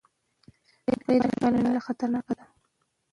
غیر قانوني لارې خطرناکې دي.